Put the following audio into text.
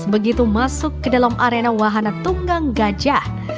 begitu masuk ke dalam arena wahana tunggang gajah